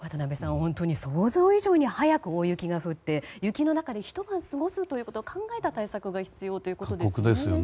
本当に想像以上に早く大雪が降って雪の中でひと晩過ごす対策を考えた対策が必要ですね。